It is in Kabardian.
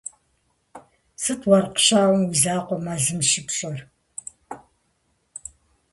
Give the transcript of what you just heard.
- Сыт уэркъ щауэм уи закъуэ мэзым щыпщӀэр?